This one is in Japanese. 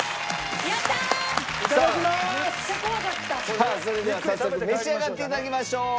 さあそれでは早速召し上がって頂きましょう！